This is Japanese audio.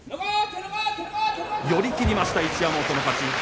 寄り切りました一山本の勝ち。